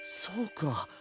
そうか！